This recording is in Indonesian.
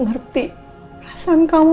ngerti perasaan kamu